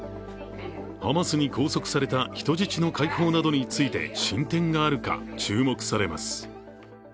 ハマスに拘束された人質の解放などについて進展があるか注目されます。